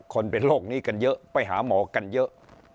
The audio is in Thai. คนเป็นโรคนี้กันเยอะไปหาหมอกันเยอะ